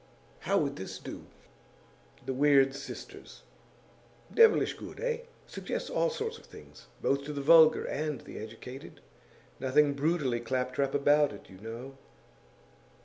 'How would this do: "The Weird Sisters"? Devilish good, eh? Suggests all sorts of things, both to the vulgar and the educated. Nothing brutally clap trap about it, you know.